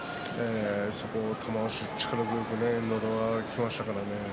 そこを玉鷲、力強くのど輪がきましたからね。